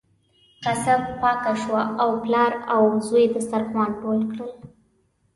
کاسه پاکه شوه او پلار او زوی دسترخوان ټول کړل.